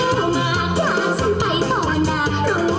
ต้องเลือกเลยว่างไหล่